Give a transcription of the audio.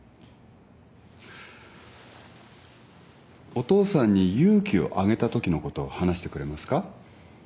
お父さんに勇気をあげたときのことを話してくれますか。